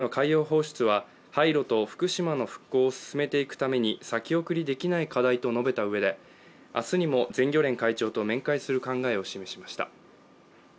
岸田総理は今日、東京電力・福島第一原発を訪れＡＬＰＳ処理水の海洋放出は廃炉と福島の復興を進めていくために先送りできない課題と述べたうえで、明日にも全漁連会長と面会する考えを示しました。